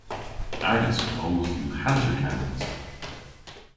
Agas bloodh yw hanterkans.